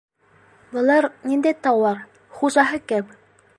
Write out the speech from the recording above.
— Былар ниндәй тауар, хужаһы кем?